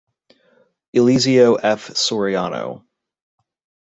Eliseo F. Soriano.